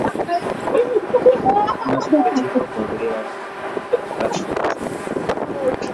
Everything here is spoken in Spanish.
Una simple chispa podría hacer explotar la ciudad.